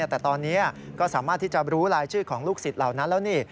แต่ตอนนี้ก็สามารถที่จะรู้รายชื่อของลูกศิษย์เหล่านั้นแล้วนี่